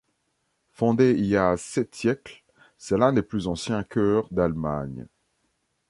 Fondé il y a sept siècles, c'est l'un des plus anciens chœurs d'Allemagne.